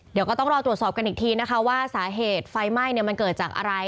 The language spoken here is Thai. เดี๋ยวก็ต้องรอตรวจสอบกันอีกทีนะคะว่าสาเหตุไฟไหม้มันเกิดจากอะไร